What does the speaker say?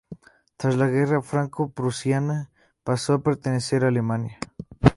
Tras la guerra Franco-Prusiana pasó a pertenecer a Alemania.